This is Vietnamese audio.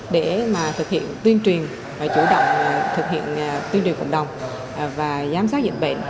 để mà thực hiện tuyên truyền và chủ động thực hiện tuyên truyền cộng đồng và giám sát dịch bệnh